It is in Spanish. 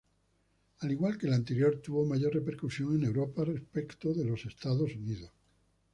Al igual que el anterior, tuvo mayor repercusión en Europa respecto de Estados Unidos.